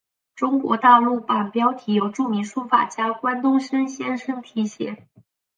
中国大陆版标题由著名书法家关东升先生提写。